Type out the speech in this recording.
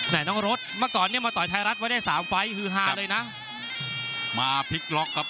แต่น้องรถเมื่อก่อนเนี่ยมาต่อยไทยรัฐไว้ได้สามไฟล์ฮือฮาเลยนะมาพลิกล็อกครับ